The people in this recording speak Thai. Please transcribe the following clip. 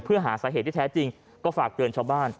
เพื่อหาสาเหตุที่แท้จริงก็ฝากเตือนชาวบ้าน